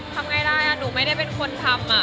ทำไหนได้จูลไม่เป็นคนทำ